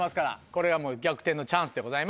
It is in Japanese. これはもう逆転のチャンスでございます。